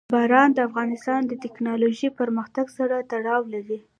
باران د افغانستان د تکنالوژۍ پرمختګ سره تړاو لري.